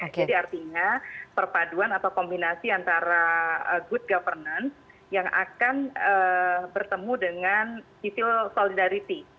jadi artinya perpaduan atau kombinasi antara good governance yang akan bertemu dengan civil solidarity